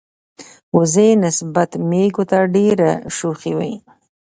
وزې نسبت مېږو ته ډیری شوخی وی.